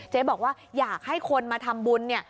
เจ๊บอกว่าอยากให้คนมาทำบุญ